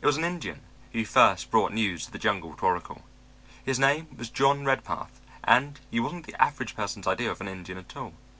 It was an Indian who first brought news of the jungle to Oracle. His name was John Redpath and he wasn't the average person's idea of an Indian at all.